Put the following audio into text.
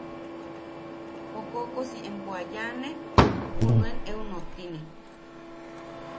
O koʼokosi empo a yaane junuen eu nottine.